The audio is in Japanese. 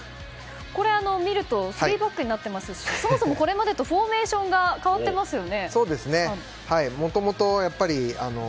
見ると３バックになってますしそもそもこれまでとフォーメーションが変わっていますよね。